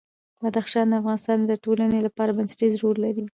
بدخشان د افغانستان د ټولنې لپاره بنسټيز رول لري.